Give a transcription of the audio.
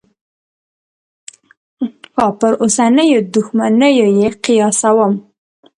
پر اوسنیو دوښمنیو یې قیاسوم.